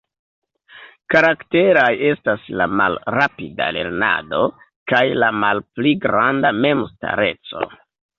Karakteraj estas la malrapida lernado, kaj la malpli granda memstareco.